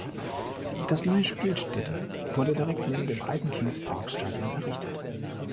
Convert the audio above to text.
Das neue Spielstätte wurde direkt neben dem alten Kings-Park-Stadion errichtet.